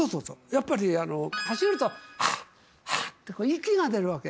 やっぱり走ると、はっはって息が出るわけ。